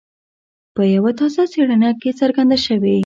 په یوه تازه څېړنه کې څرګنده شوي.